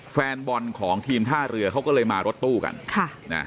แฟนบอลของทีมท่าเรือเขาก็เลยมารถตู้กันค่ะนะ